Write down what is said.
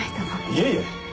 いえいえ！